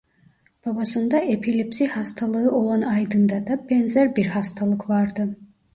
Babasında epilepsi hastalığı olan Aydın'da da benzer bir hastalık vardı.